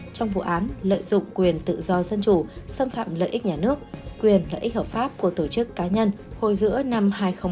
trong vụ án lợi dụng quyền tự do dân chủ xâm phạm lợi ích nhà nước quyền lợi ích hợp pháp của tổ chức cá nhân hồi giữa năm hai nghìn một mươi ba